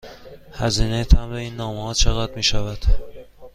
هزینه مبر این نامه ها چقدر می شود؟